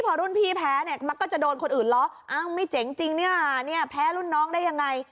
ถ้ารุ่นพี่แพ้มักจะโดนคนอื่นล้อไม่เจ๋งจริงแพ้รุ่นน้องได้ยังไง